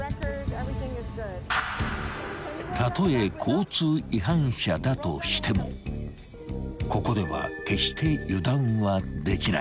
［たとえ交通違反者だとしてもここでは決して油断はできない］